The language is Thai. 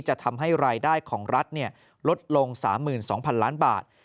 จะทำให้รายได้ของรัฐลดลง๓๒๐๐๐ล้านบาท